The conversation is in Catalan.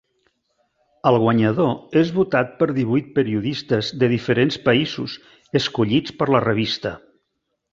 El guanyador és votat per divuit periodistes de diferents països, escollits per la revista.